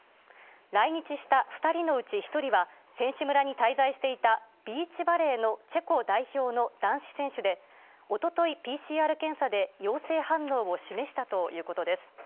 来日した２人のうち１人は、選手村に滞在していたビーチバレーのチェコ代表の男子選手で、おととい、ＰＣＲ検査で陽性反応を示したということです。